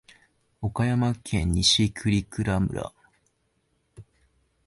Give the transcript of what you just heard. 岡山県西粟倉村